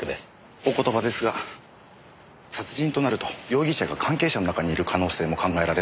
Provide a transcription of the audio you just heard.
お言葉ですが殺人となると容疑者が関係者の中にいる可能性も考えられますので。